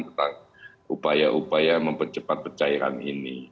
tentang upaya upaya mempercepat pencairan ini